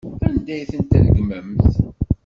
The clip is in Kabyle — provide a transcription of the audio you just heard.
Anda ay tent-tregmemt?